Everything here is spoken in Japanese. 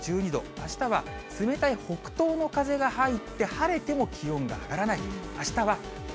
あしたは冷たい北東の風が入って、晴れても気温が上がらないと。